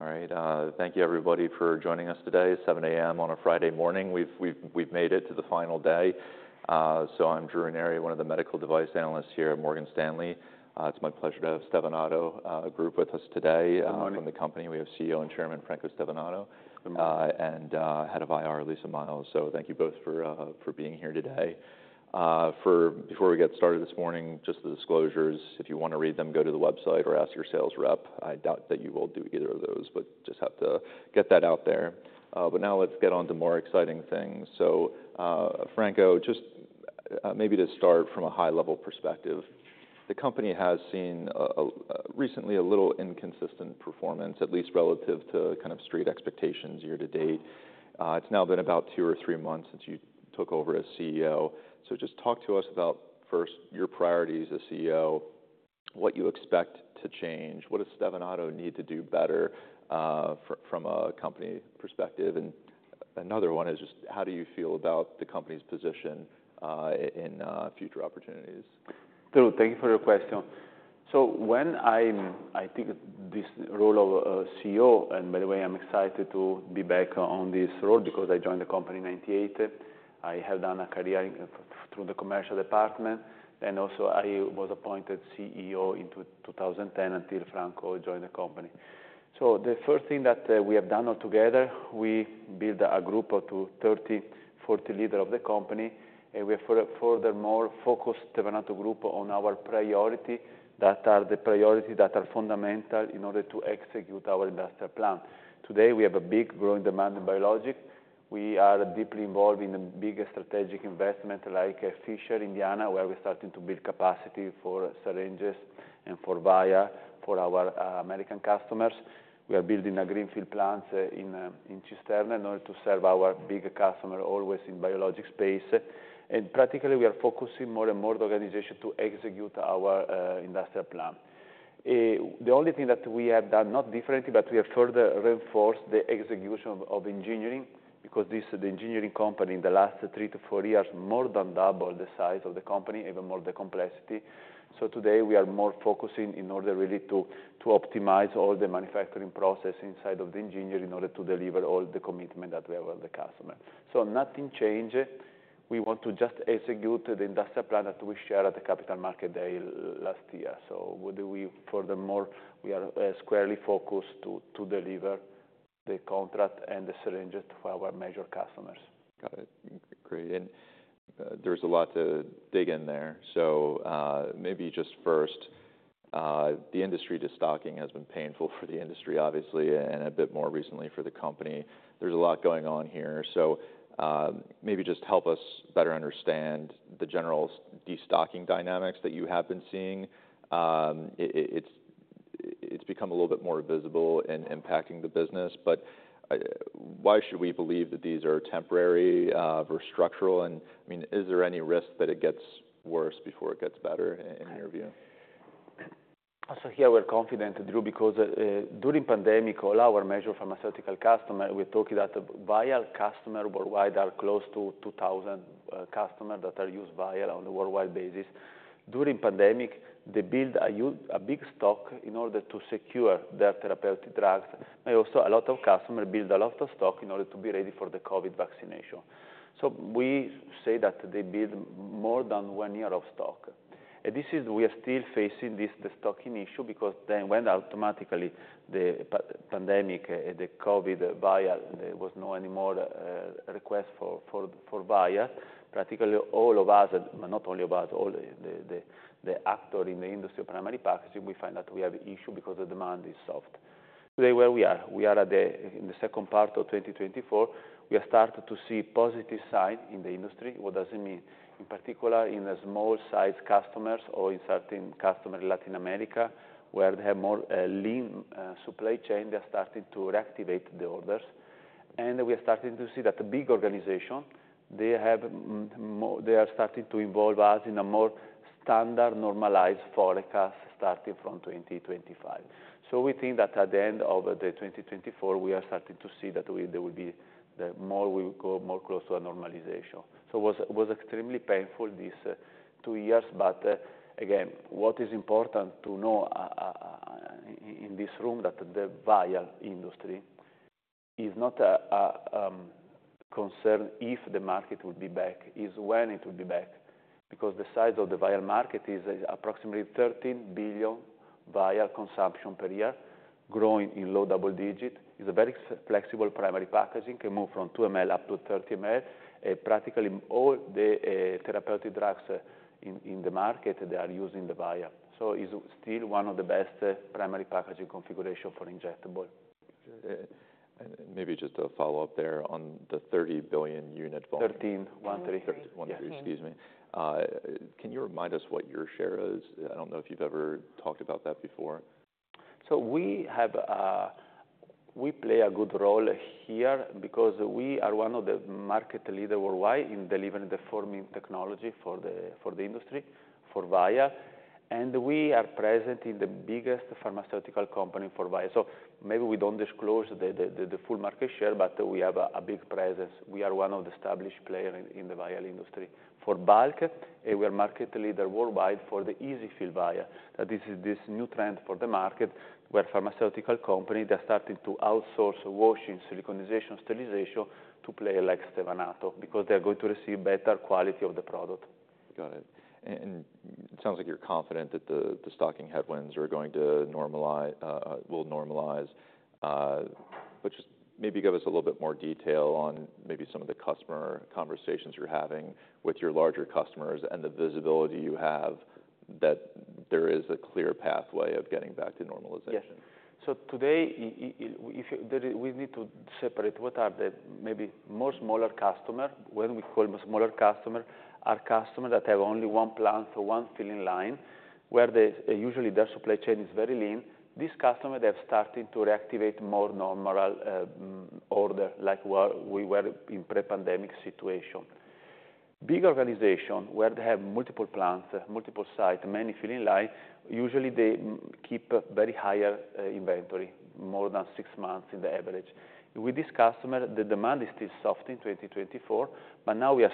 All right, thank you everybody for joining us today, 7:00 A.M. on a Friday morning. We've made it to the final day, so I'm Drew Ranieri, one of the medical device analysts here at Morgan Stanley. It's my pleasure to have Stevanato Group with us today. Good morning. From the company. We have CEO and Chairman, Franco Stevanato. Good morning. And head of IR, Lisa Miles. So thank you both for being here today. Before we get started this morning, just the disclosures, if you wanna read them, go to the website or ask your sales rep. I doubt that you will do either of those, but just have to get that out there. But now let's get on to more exciting things. So, Franco, just maybe to start from a high-level perspective, the company has seen recently a little inconsistent performance, at least relative to kind of street expectations year to date. It's now been about two or three months since you took over as CEO. So just talk to us about, first, your priority as a CEO, what you expect to change, what does Stevanato need to do better, from a company perspective? Another one is just, how do you feel about the company's position in future opportunities? Drew, thank you for your question. When I take this role of CEO, and by the way, I'm excited to be back on this role because I joined the company in 1998. I have done a career in through the commercial department, and also, I was appointed CEO in 2010 until Franco joined the company. The first thing that we have done all together, we build a group of 20 to 40 leaders of the company, and we have furthermore focused Stevanato Group on our priorities that are fundamental in order to execute our industrial plan. Today, we have a big growing demand in biologics. We are deeply involved in the biggest strategic investment like Fishers, Indiana, where we're starting to build capacity for syringes and for vials for our American customers. We are building a greenfield plant in Cisterna in order to serve our bigger customer, always in biologic space. Practically, we are focusing more and more the organization to execute our industrial plan. The only thing that we have done, not differently, but we have further reinforced the execution of engineering, because this, the engineering company in the last three to four years, more than double the size of the company, even more the complexity. Today we are more focusing in order really to optimize all the manufacturing process inside of the engineering, in order to deliver all the commitment that we have with the customer. Nothing change. We want to just execute the industrial plan that we share at the Capital Market Day last year. Furthermore, we are squarely focused to deliver the contract and the syringes to our major customers. Got it. Great. And there's a lot to dig in there. So maybe just first, the industry destocking has been painful for the industry, obviously, and a bit more recently for the company. There's a lot going on here. So maybe just help us better understand the general destocking dynamics that you have been seeing. It's become a little bit more visible in impacting the business, but why should we believe that these are temporary versus structural? And I mean, is there any risk that it gets worse before it gets better in your view? So here, we're confident, Drew, because during pandemic, all our major pharmaceutical customer, we're talking that vial customer worldwide are close to 2,000 customer that are used vial on a worldwide basis. During pandemic, they build a big stock in order to secure their therapeutic drugs, and also a lot of customers build a lot of stock in order to be ready for the COVID vaccination. So we say that they build more than one year of stock. And this is. We are still facing this, the stocking issue, because then when automatically the pandemic, the COVID vial, there was no anymore request for vial, practically all of us, not only of us, all the actor in the industry of primary packaging, we find that we have issue because the demand is soft. Today, where are we? We are in the second part of twenty twenty-four. We have started to see positive sign in the industry. What does it mean? In particular, in the small-sized customers or in certain customer, Latin America, where they have more lean supply chain, they're starting to reactivate the orders. And we are starting to see that the big organization, they have more, they are starting to involve us in a more standard, normalized forecast starting from twenty twenty-five. So we think that at the end of the twenty twenty-four, we are starting to see that there will be, the more we go more close to a normalization. It was extremely painful, these two years, but again, what is important to know in this room is that the vial industry is not a concern if the market will be back, is when it will be back. Because the size of the vial market is approximately 13 billion vial consumption per year, growing in low double digits. It is a very flexible primary packaging, can move from 2 mL up to 30 mL. Practically, all the therapeutic drugs in the market, they are using the vial. So it's still one of the best primary packaging configuration for injectable. And maybe just a follow-up there on the thirty billion unit volume. Thirteen, one three. One three, excuse me. Mm-hmm. Can you remind us what your share is? I don't know if you've ever talked about that before. We have. We play a good role here because we are one of the market leader worldwide in delivering the forming technology for the industry for vial and we are present in the biggest pharmaceutical company for vial. Maybe we don't disclose the full market share, but we have a big presence. We are one of the established player in the vial industry. For bulk, we are market leader worldwide for the EZ-fill vial. This is the new trend for the market, where pharmaceutical company, they're starting to outsource washing, siliconization, sterilization to player like Stevanato, because they're going to receive better quality of the product. Got it. And it sounds like you're confident that the destocking headwinds are going to normalize, will normalize. But just maybe give us a little bit more detail on maybe some of the customer conversations you're having with your larger customers, and the visibility you have, that there is a clear pathway of getting back to normalization. Yes. So today we need to separate what are the maybe more smaller customer. When we call them smaller customer, are customer that have only one plant or one filling line, where usually their supply chain is very lean. These customer, they're starting to reactivate more normal order, like where we were in pre-pandemic situation. Big organization, where they have multiple plants, multiple site, many filling line, usually they keep very higher inventory, more than six months in the average. With this customer, the demand is still soft in twenty twenty-four, but now we are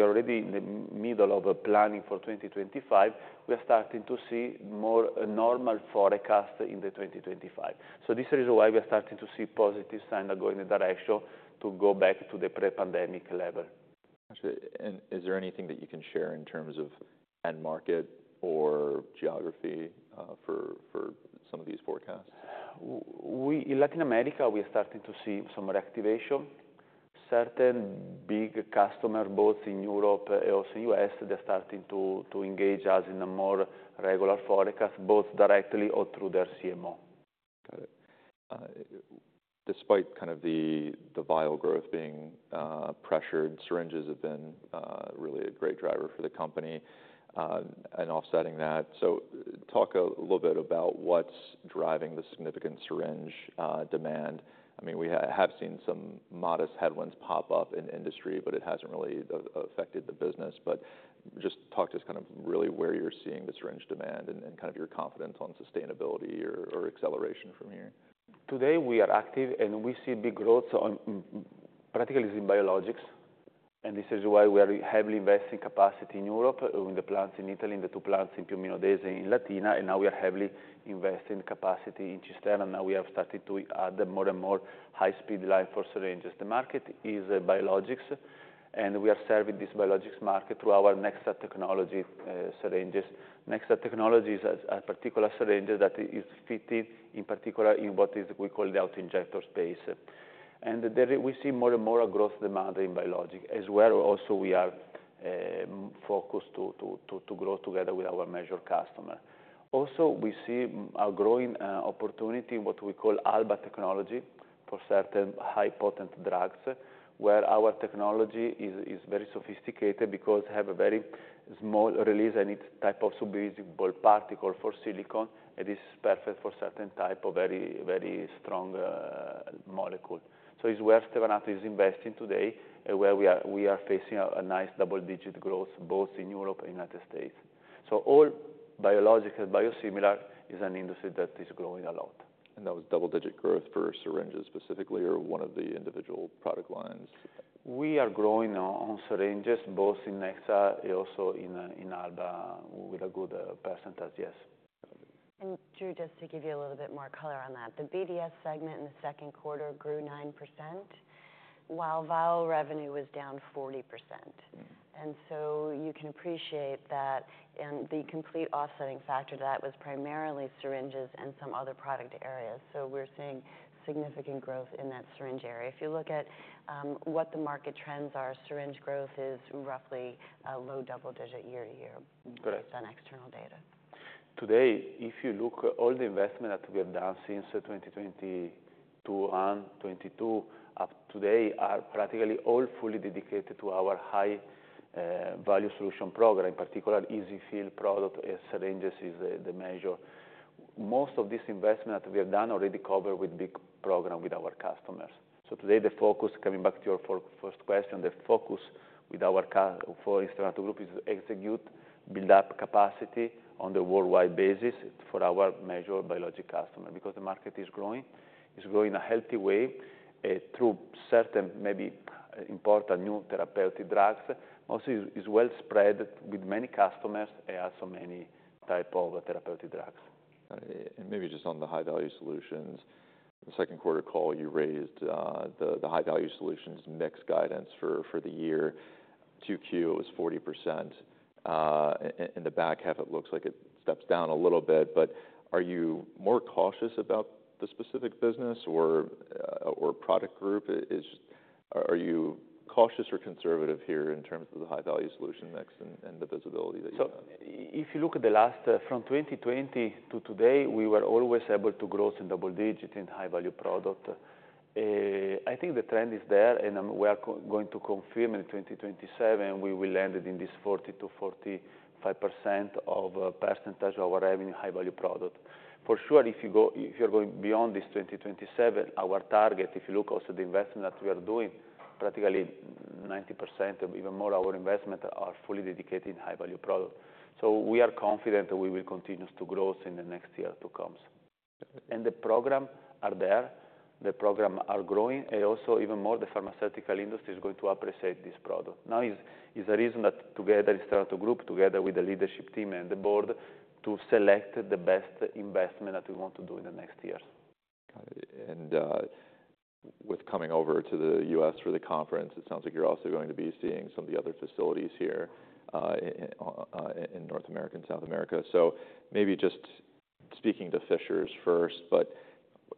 already in the middle of planning for twenty twenty-five. We are starting to see more normal forecast in the twenty twenty-five. So this is the reason why we are starting to see positive sign that go in the direction to go back to the pre-pandemic level. Got you. And is there anything that you can share in terms of end market or geography, for some of these forecasts? In Latin America, we are starting to see some reactivation. Certain big customer, both in Europe and also U.S., they're starting to engage us in a more regular forecast, both directly or through their CMO. Got it. Despite kind of the vial growth being pressured, syringes have been really a great driver for the company and offsetting that. So talk a little bit about what's driving the significant syringe demand. I mean, we have seen some modest headwinds pop up in industry, but it hasn't really affected the business. But just talk to us kind of really where you're seeing the syringe demand and kind of your confidence on sustainability or acceleration from here. Today, we are active, and we see big growth practically in biologics, and this is why we are heavily investing capacity in Europe, in the plants in Italy, in the two plants in Piombino Dese, in Latina, and now we are heavily investing capacity in Cisterna. Now we have started to add more and more high-speed line for syringes. The market is biologics, and we are serving this biologics market through our Nexa technology syringes. Nexa technology is a particular syringe that is fitted, in particular, in what is we call the auto-injector space. And there we see more and more growth demand in biologics. As well, also, we are focused to grow together with our major customer. Also, we see a growing opportunity in what we call Alba technology for certain high-potent drugs, where our technology is very sophisticated because it have a very small release and it's type of subvisible particle for silicone. It is perfect for certain type of very, very strong molecule. So it's where Stevanato is investing today, and where we are facing a nice double-digit growth, both in Europe and United States. So all biologics and biosimilars is an industry that is growing a lot. That was double-digit growth for syringes, specifically, or one of the individual product lines? We are growing on syringes, both in Nexa and also in Alba, with a good percentage, yes. Got it. Drew, just to give you a little bit more color on that, the BDS segment in the second quarter grew 9%, while vial revenue was down 40%. Mm-hmm. And so you can appreciate that, and the complete offsetting factor to that was primarily syringes and some other product areas. So we're seeing significant growth in that syringe area. If you look at what the market trends are, syringe growth is roughly a low double digit year to year- Correct... based on external data. Today, if you look at all the investment that we have done since twenty twenty-two, on twenty-two up today, are practically all fully dedicated to our high-value solutions program, in particular, EZ-fill product and syringes is the major. Most of this investment we have done already covered with big programs with our customers. So today, the focus, coming back to your first question, the focus for Stevanato Group is to execute, build up capacity on the worldwide basis for our major biologics customer, because the market is growing. It's growing a healthy way, through certain, maybe important new therapeutic drugs. Also is well-spread with many customers and also many types of therapeutic drugs. And maybe just on the high-value solutions. The second quarter call, you raised the high-value solutions mix guidance for the year. Q2, it was 40%. In the back half, it looks like it steps down a little bit, but are you more cautious about the specific business or product group? Are you cautious or conservative here in terms of the high-value solution mix and the visibility that you have? If you look at the last from 2020 to today, we were always able to grow in double digit in high-value product. I think the trend is there, and we are going to confirm in 2027, we will land it in this 40%-45% of percentage of our revenue, high-value product. For sure, if you're going beyond this 2027, our target, if you look also the investment that we are doing, practically 90% or even more our investment are fully dedicated in high-value product. So we are confident that we will continue to grow in the next years to come and the programs are there, the programs are growing, and also even more, the pharmaceutical industry is going to appreciate this product. Now is the reason that together we start to group together with the leadership team and the board to select the best investment that we want to do in the next years. Got it. And, with coming over to the U.S. for the conference, it sounds like you're also going to be seeing some of the other facilities here, in North America and South America. So maybe just speaking to Fishers first, but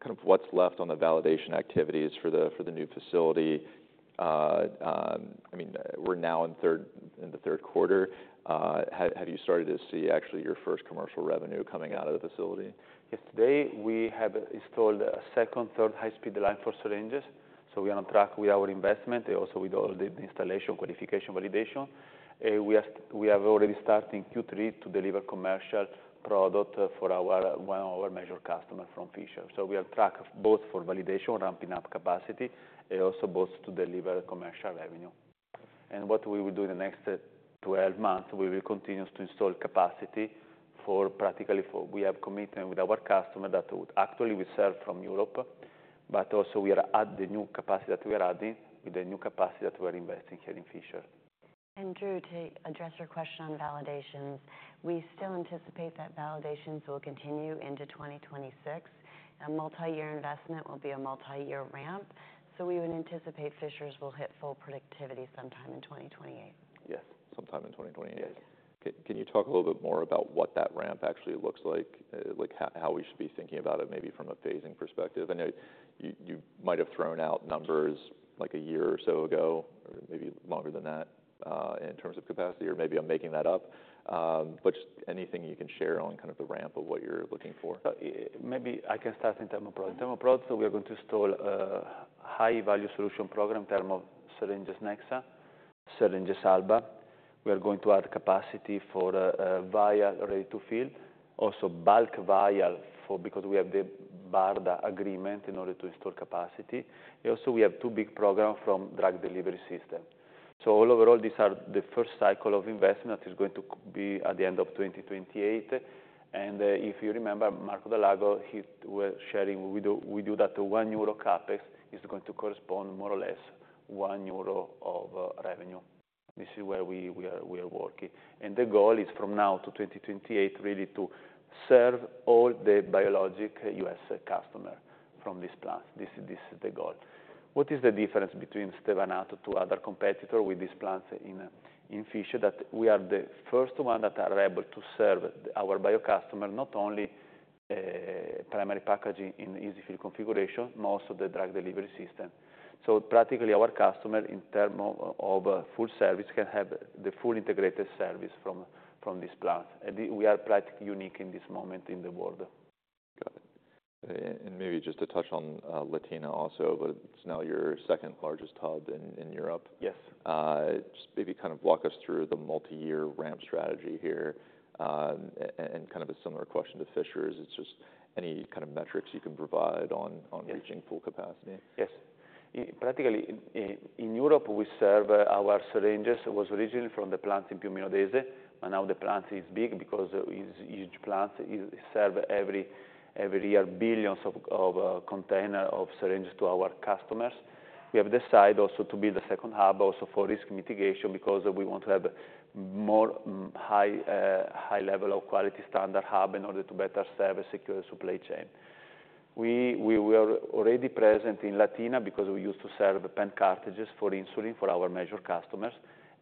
kind of what's left on the validation activities for the, for the new facility? I mean, we're now in the third quarter. Have you started to see actually your first commercial revenue coming out of the facility? Yes. Today, we have installed a second, third high-speed line for syringes, so we are on track with our investment and also with all the installation, qualification, validation. We are, we have already started in Q3 to deliver commercial product for our, one of our major customer from Fishers. So we are on track both for validation, ramping up capacity, and also both to deliver commercial revenue. What we will do in the next twelve months, we will continue to install capacity. We have commitment with our customer that would actually we sell from Europe, but also we are add the new capacity that we are adding, with the new capacity that we are investing here in Fishers. Drew, to address your question on validations, we still anticipate that validations will continue into 2026. A multi-year investment will be a multi-year ramp, so we would anticipate Fishers will hit full productivity sometime in 2028. Yes, sometime in 2028. Yes. Can you talk a little bit more about what that ramp actually looks like? Like, how we should be thinking about it, maybe from a phasing perspective? I know you might have thrown out numbers like a year or so ago, or maybe longer than that, in terms of capacity, or maybe I'm making that up. But just anything you can share on kind of the ramp of what you're looking for. Maybe I can start in terms of product. Their products, we are going to install high-value solution program, their syringes Nexa, syringes Alba. We are going to add capacity for vial ready to fill, also bulk vial because we have the BARDA agreement in order to install capacity. And also, we have two big programs from drug delivery system. All overall, these are the first cycle of investment is going to be at the end of 2028. If you remember, Marco Dal Lago, he was sharing, we do that 1 euro CapEx is going to correspond more or less 1 euro of revenue. This is where we are working. The goal is from now to 2028, really to serve all the biologics U.S. customer from this plant. This is the goal. What is the difference between Stevanato to other competitor with these plants in Fishers, that we are the first one that are able to serve our bio customer, not only primary packaging in EZ-fill configuration, but also the drug delivery system. So practically, our customer, in term of full service, can have the full integrated service from this plant. We are practically unique in this moment in the world. Got it. And maybe just to touch on Latina also, but it's now your second largest hub in Europe. Yes. Just maybe kind of walk us through the multi-year ramp strategy here. And kind of a similar question to Fishers', it's just any kind of metrics you can provide on, on- Yes -reaching full capacity? Yes. Practically, in Europe, we serve our syringes. It was originally from the plant in Piombino Dese, and now the plant is big because it's a huge plant. It serves every year billions of containers of syringes to our customers. We have decided also to build a second hub also for risk mitigation, because we want to have a higher level of quality standard hub in order to better serve a secure supply chain. We were already present in Latina because we used to serve pen cartridges for insulin for our major customers.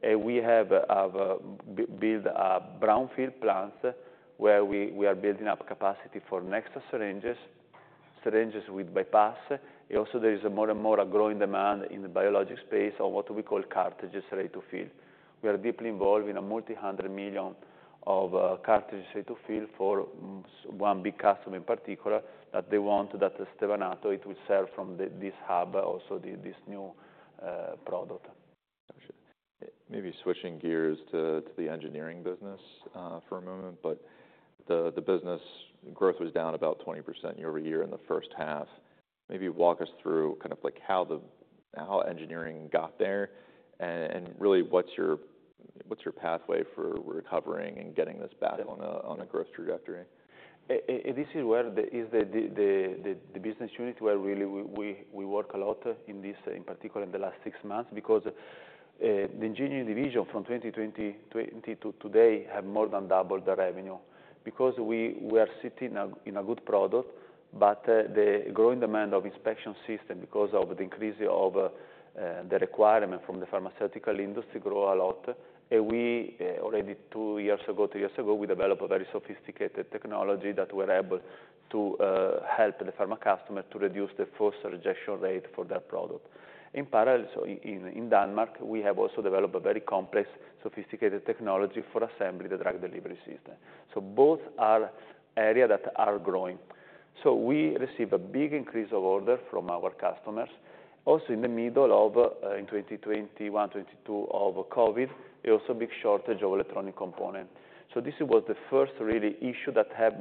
And we have built a brownfield plant, where we are building up capacity for Nexa syringes, syringes with bypass. And also, there is more and more a growing demand in the biologics space, or what we call ready-to-fill cartridges. We are deeply involved in a multi hundred million of cartridges ready to fill for one big customer in particular, that they want, that Stevanato it will sell from this hub, also this new product. Maybe switching gears to the engineering business for a moment, but the business growth was down about 20% year over year in the first half. Maybe walk us through kind of like how engineering got there, and really, what's your pathway for recovering and getting this back on a growth trajectory? This is where the business unit, where really we work a lot in this, in particular in the last six months. Because the engineering division from 2020 to today have more than doubled the revenue. Because we are sitting in a good product, but the growing demand of inspection system, because of the increase of the requirement from the pharmaceutical industry, grow a lot. And we already two years ago, three years ago, we developed a very sophisticated technology that we're able to help the pharma customer to reduce the false rejection rate for their product. In parallel, in Denmark, we have also developed a very complex, sophisticated technology for assembling the drug delivery system. So both are areas that are growing. We received a big increase of order from our customers. Also, in the middle of in 2021, 2022 of COVID, it also a big shortage of electronic component. This was the first really issue that have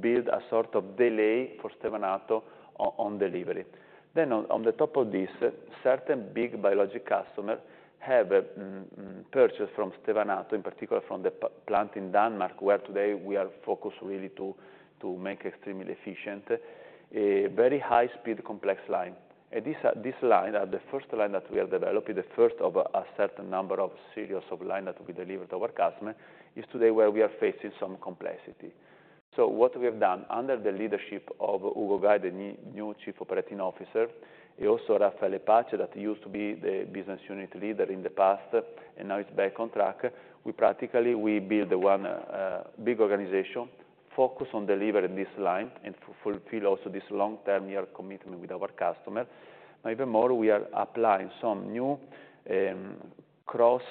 built a sort of delay for Stevanato on delivery. On the top of this, certain big biologic customer have purchased from Stevanato, in particular from the plant in Denmark, where today we are focused really to make extremely efficient, a very high-speed complex line. This line, the first line that we have developed, the first of a certain number of series of line that we delivered to our customer, is today where we are facing some complexity. What we have done under the leadership of Ugo Gay, the new Chief Operating Officer, and also Raffaele Pace, that used to be the business unit leader in the past, and now he's back on track. We practically build one big organization, focus on delivering this line and to fulfill also this long-term year commitment with our customer. And even more, we are applying some new cross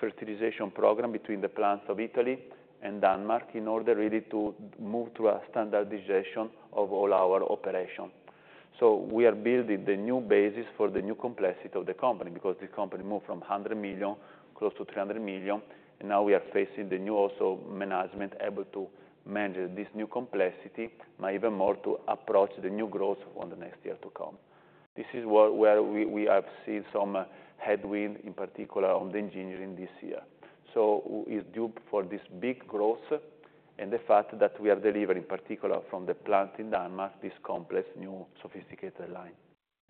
fertilization program between the plants of Italy and Denmark, in order really to move to a standardization of all our operation. We are building the new basis for the new complexity of the company, because the company moved from 100 million close to 300 million, and now we are facing the new also management, able to manage this new complexity, and even more to approach the new growth on the next year to come. This is where we have seen some headwind, in particular, on the engineering this year. So it's due for this big growth, and the fact that we are delivering, particularly from the plant in Denmark, this complex, new, sophisticated line.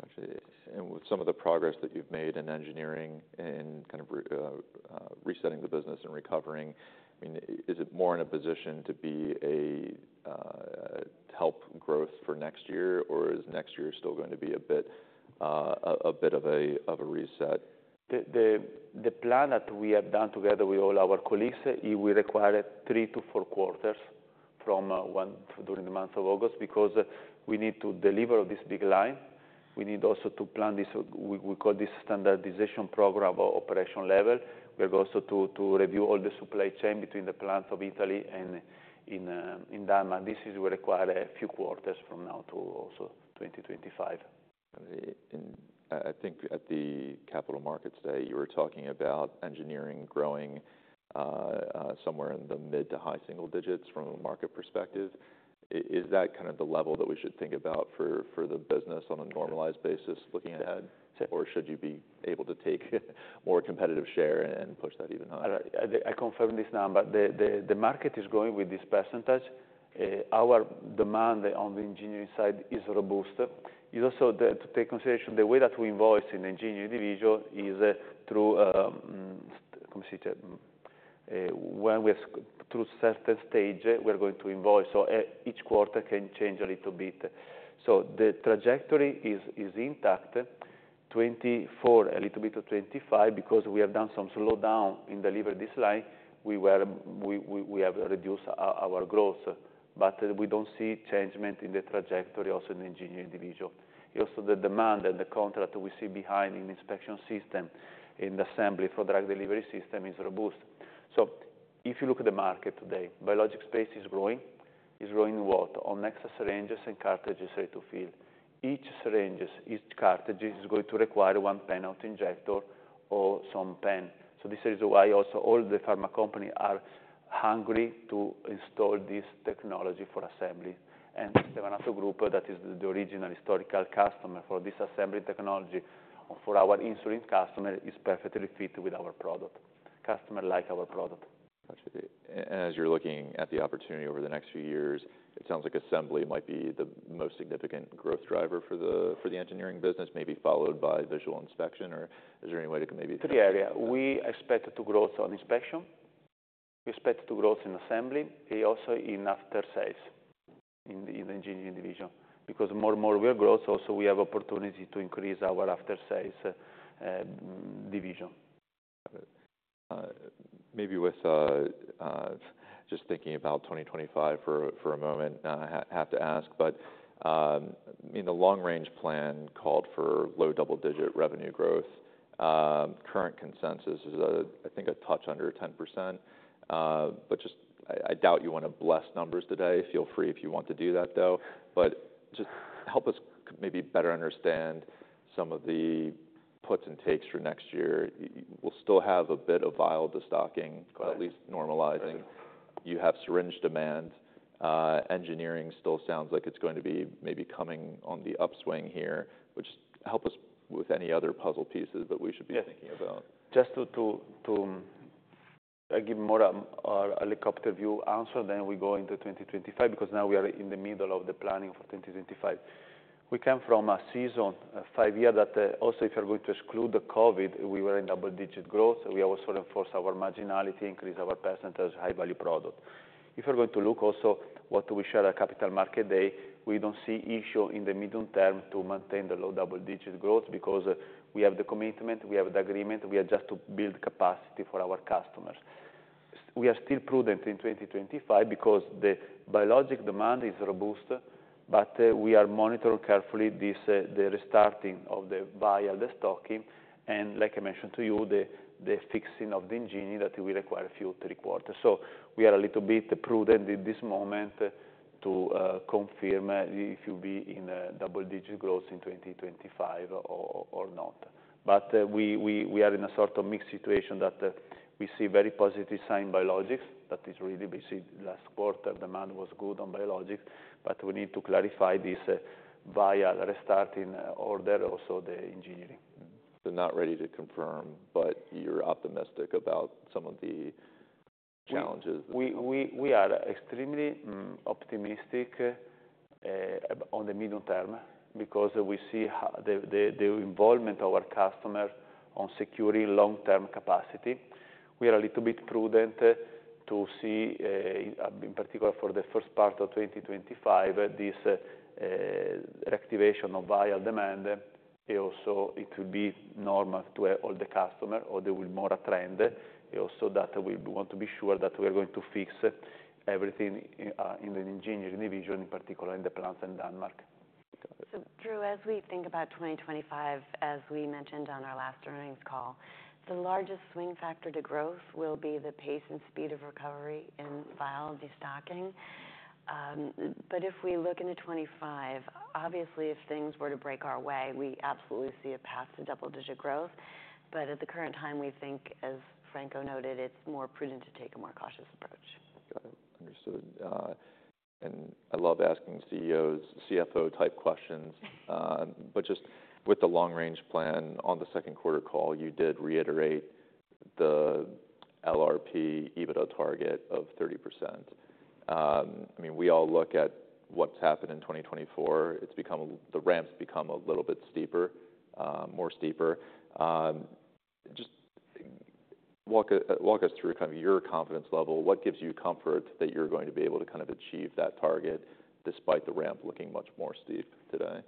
Actually, and with some of the progress that you've made in engineering and kind of resetting the business and recovering, I mean, is it more in a position to help growth for next year, or is next year still going to be a bit of a reset? The plan that we have done together with all our colleagues, it will require three to four quarters from now during the month of August, because we need to deliver this big line. We need also to plan this. We call this standardization program operation level. We have also to review all the supply chain between the plants of Italy and in Denmark. This will require a few quarters from now to also 2025. And I think at the Capital Markets Day, you were talking about engineering growing somewhere in the mid to high single digits from a market perspective. Is that kind of the level that we should think about for the business on a normalized basis, looking ahead? Yes. Or should you be able to take more competitive share and push that even higher? I confirm this now, but the market is growing with this percentage. Our demand on the engineering side is robust. It is also to take consideration, the way that we invoice in engineering division is through when we are through certain stage, we're going to invoice, so each quarter can change a little bit. So the trajectory is intact. 2024, a little bit of 2025, because we have done some slowdown in delivering this line. We have reduced our growth, but we don't see a change in the trajectory also in engineering division. Also, the demand and the contract we see beyond in inspection system, in the assembly for drug delivery system is robust. So if you look at the market today, biologic space is growing. It's growing what? On Nexa syringes and cartridges to fill. Each syringes, each cartridges is going to require one pen auto-injector or some pen. So this is why also all the pharma company are hungry to install this technology for assembly. And the another group that is the original historical customer for this assembly technology, for our insulin customer, is perfectly fit with our product. Customer like our product. Got you. And as you're looking at the opportunity over the next few years, it sounds like assembly might be the most significant growth driver for the engineering business, maybe followed by visual inspection, or is there any way to maybe- Three areas. We expect to growth on inspection. We expect to growth in assembly and also in after sales, in the engineering division, because more and more we are growth. Also we have opportunity to increase our after sales division. Maybe with just thinking about 2025 for a moment, and I have to ask, but in the Long-Range Plan called for low double-digit revenue growth. Current consensus is, I think, a touch under 10%. But just I doubt you want to bless numbers today. Feel free if you want to do that, though, but just help us maybe better understand some of the puts and takes for next year. We'll still have a bit of vial destocking- Right... at least normalizing. You have syringe demand, engineering still sounds like it's going to be maybe coming on the upswing here, which help us with any other puzzle pieces that we should be thinking about. Yes. Just to give more, a helicopter view answer, then we go into 2025, because now we are in the middle of the planning for 2025. We come from a season, five years, that, also if you are going to exclude the COVID, we were in double-digit growth. We also reinforced our marginality, increased our percentage, high-value product. If you are going to look also what we share at Capital Markets Day, we don't see issue in the medium term to maintain the low double-digit growth, because we have the commitment, we have the agreement, we are just to build capacity for our customers. We are still prudent in 2025 because the biologics demand is robust, but we are monitoring carefully this, the restarting of the buyer destocking, and like I mentioned to you, the fixing of the engineering, that will require a few three quarters. So we are a little bit prudent in this moment to confirm if we'll be in a double-digit growth in 2025 or not. But we are in a sort of mixed situation that we see very positive signs biologics, that is really busy. Last quarter, demand was good on biologics, but we need to clarify this vial restarting order, also the engineering. So, not ready to confirm, but you're optimistic about some of the challenges? We are extremely- Mm... optimistic on the medium term, because we see the involvement of our customer on securing long-term capacity. We are a little bit prudent to see in particular for the first part of twenty twenty-five this reactivation of vial demand, and also it will be normal to all the customer, or they will more attract. Also, that we want to be sure that we are going to fix everything in the engineering division, in particular in the plants in Denmark. So Drew, as we think about twenty twenty-five, as we mentioned on our last earnings call, the largest swing factor to growth will be the pace and speed of recovery in vial destocking. But if we look into twenty twenty-five, obviously, if things were to break our way, we absolutely see a path to double-digit growth. But at the current time, we think, as Franco noted, it's more prudent to take a more cautious approach. Got it. Understood. And I love asking CEOs CFO-type questions. But just with the long range plan on the second quarter call, you did reiterate the LRP EBITDA target of 30%. I mean, we all look at what's happened in 2024. The ramp's become a little bit steeper, more steeper. Just walk us through kind of your confidence level. What gives you comfort that you're going to be able to kind of achieve that target despite the ramp looking much more steep today?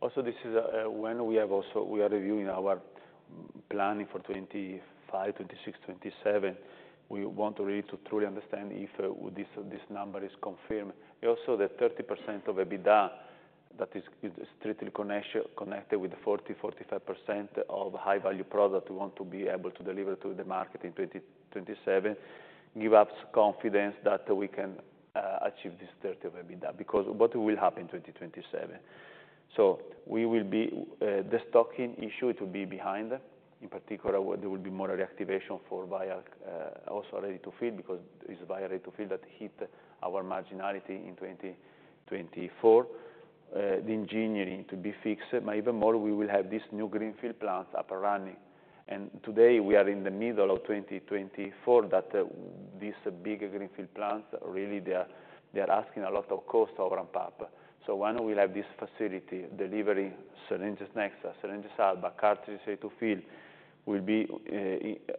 Also, this is when we have also we are reviewing our planning for twenty twenty-five, twenty twenty-six, twenty twenty-seven. We want to really to truly understand if this number is confirmed. Also, the 30% of EBITDA that is strictly connected with the 40-45% of high-value product we want to be able to deliver to the market in twenty twenty-seven give us confidence that we can achieve this 30% of EBITDA, because what will happen in twenty twenty-seven? So we will be the destocking issue. It will be behind. In particular, there will be more reactivation for vial also ready to fill, because it's vial ready to fill that hit our marginality in twenty twenty-four. The engineering to be fixed, but even more, we will have this new greenfield plant up and running. Today, we are in the middle of 2024, that these big greenfield plants, really, they are asking a lot of cost to ramp up. When we have this facility delivering syringes next, syringes, Alba cartridges, EZ-fill, will be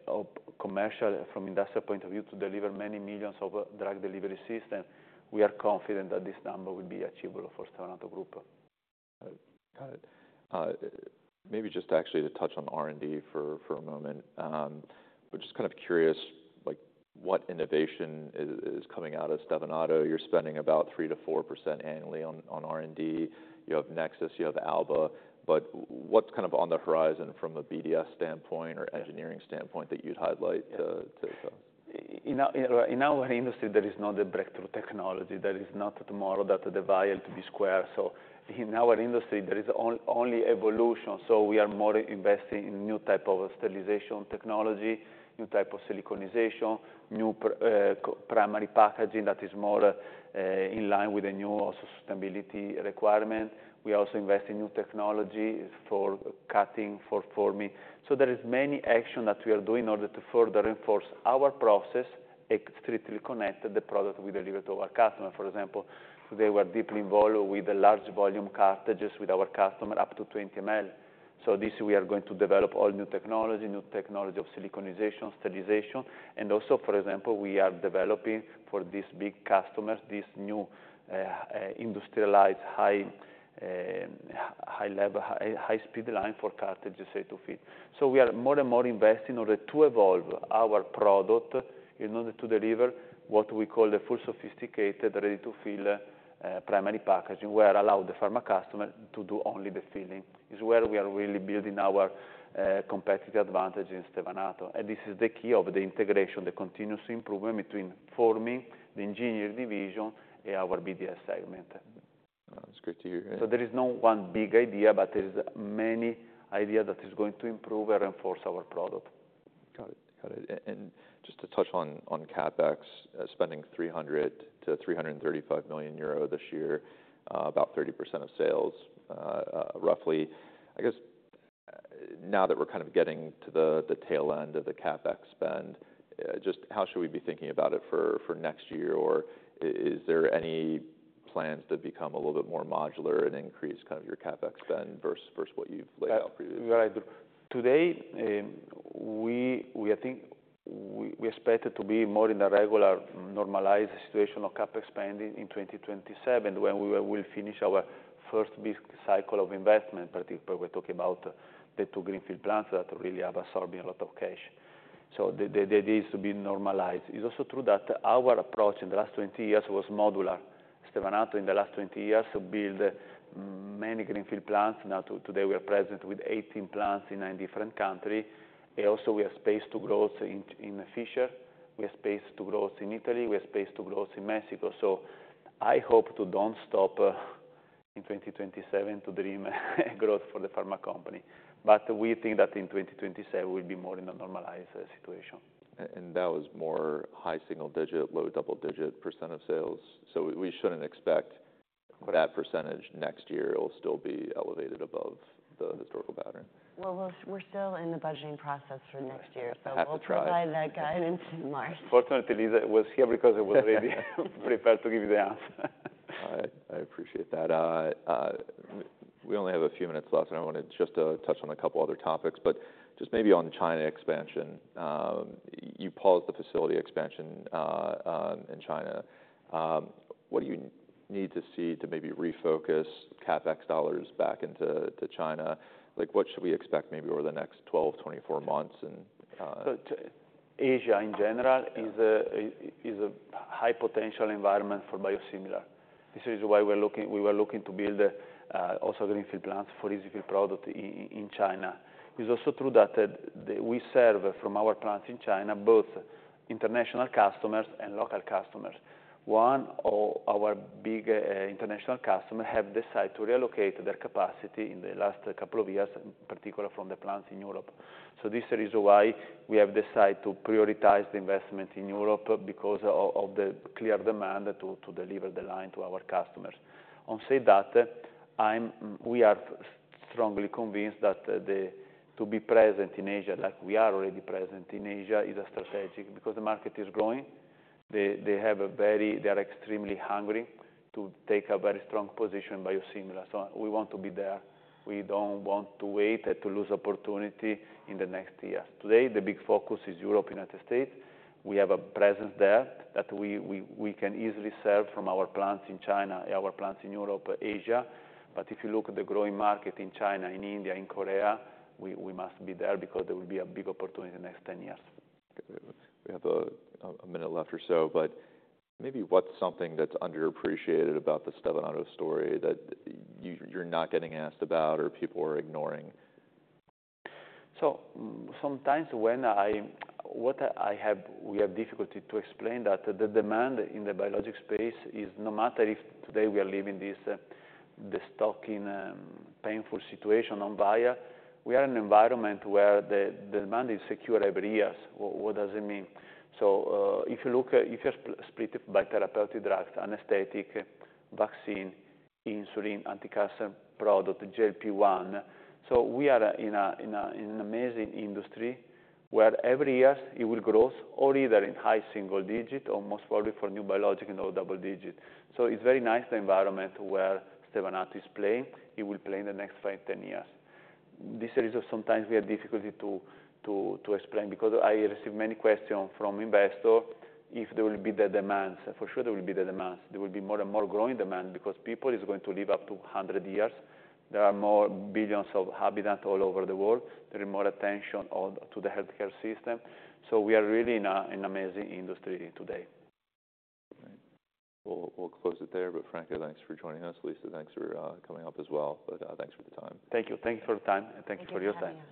of commercial from industrial point of view, to deliver many millions of drug delivery system, we are confident that this number will be achievable for Stevanato Group. Got it. Maybe just actually to touch on R&D for a moment. But just kind of curious, like what innovation is coming out of Stevanato. You're spending about 3-4% annually on R&D. You have Nexa, you have Alba, but what's kind of on the horizon from a BDS standpoint or engineering standpoint that you'd highlight to- In our industry, there is not a breakthrough technology. There is not tomorrow that the vial to be square. So in our industry, there is only evolution, so we are more investing in new type of sterilization technology, new type of siliconization, new primary packaging that is more in line with the new sustainability requirement. We are also investing in new technology for cutting, for forming. So there is many action that we are doing in order to further reinforce our process, strictly connect the product we deliver to our customer. For example, today we are deeply involved with the large volume cartridges with our customer, up to 20 ml. So this, we are going to develop all new technology, new technology of siliconization, sterilization. Also, for example, we are developing for these big customers this new industrialized high-level, high-speed line for cartridges, ready-to-fill. We are more and more investing in order to evolve our product, in order to deliver what we call the full sophisticated ready-to-fill primary packaging, where allow the pharma customer to do only the filling. This is where we are really building our competitive advantage in Stevanato. This is the key of the integration, the continuous improvement between forming the engineering division and our BDS segment. That's great to hear. So there is no one big idea, but there's many idea that is going to improve and reinforce our product. Got it. And just to touch on CapEx, spending 300 million-335 million euro this year, about 30% of sales, roughly. I guess, now that we're kind of getting to the tail end of the CapEx spend, just how should we be thinking about it for next year? Or is there any plans to become a little bit more modular and increase kind of your CapEx spend versus what you've laid out previously? Right. Today, we think we expect it to be more in the regular, normalized situation of CapEx spending in 2027, when we will finish our first big cycle of investment. Particularly, we're talking about the 2 greenfield plants that really are absorbing a lot of cash. So the idea is to be normalized. It's also true that our approach in the last 20 years was modular. Stevanato, in the last 20 years, built many greenfield plants. Now, today, we are present with 18 plants in 9 different countries. And also, we have space to grow in Fishers, we have space to grow in Italy, we have space to grow in Mexico. So I hope not to stop in 2027 to dream growth for the pharma company. But we think that in 2027, we'll be more in a normalized situation. And that was more high single digit, low double digit % of sales. So we shouldn't expect that percentage next year, it'll still be elevated above the historical pattern? We're still in the budgeting process for next year- Right. Have to try. So we'll provide that guidance in March. Fortunately, Lisa was here because I was ready, prepared to give you the answer.... I appreciate that. We only have a few minutes left, and I wanna just touch on a couple other topics, but just maybe on the China expansion. You paused the facility expansion in China. What do you need to see to maybe refocus CapEx dollars back into to China? Like, what should we expect maybe over the next twelve, twenty-four months, and So Asia, in general, is a high potential environment for biosimilar. This is why we were looking to build also greenfield plants for EZ product in China. It's also true that we serve from our plants in China, both international customers and local customers. One of our big international customer have decided to reallocate their capacity in the last couple of years, particularly from the plants in Europe. So this is the reason why we have decided to prioritize the investment in Europe, because of the clear demand to deliver the line to our customers. That said, we are strongly convinced that to be present in Asia, like we are already present in Asia, is a strategic, because the market is growing. They have a very... They are extremely hungry to take a very strong position in biosimilars, so we want to be there. We don't want to wait and to lose opportunity in the next years. Today, the big focus is Europe, United States. We have a presence there that we can easily serve from our plants in China, our plants in Europe, Asia. But if you look at the growing market in China, in India, in Korea, we must be there because there will be a big opportunity in the next ten years. We have a minute left or so, but maybe what's something that's underappreciated about the Stevanato story that you, you're not getting asked about or people are ignoring? So sometimes we have difficulty to explain that the demand in the biologics space is no matter if today we are living this destocking painful situation on buyers. We are in an environment where the demand is strong every year. What does it mean? So, if you split it by therapeutic drugs, anesthetic, vaccine, insulin, anticancer product, GLP-1, so we are in an amazing industry, where every year it will grow, or even in high single digits or most probably for new biologics, you know, double digits. So it's very nice, the environment where Stevanato is playing, it will play in the next five, ten years. This is sometimes we have difficulty to explain, because I receive many questions from investors, if there will be the demand. For sure, there will be the demands. There will be more and more growing demand, because people is going to live up to hundred years. There are more billions of inhabitants all over the world. There is more attention on to the healthcare system. So we are really in an amazing industry today. All right. We'll close it there, but Franco, thanks for joining us. Lisa, thanks for coming up as well, but thanks for the time. Thank you. Thanks for the time, and thank you for your time.